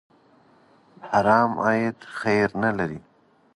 حرام عاید خیر نه لري.